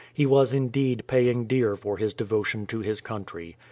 He was indeed paying dear for his devotion to his country.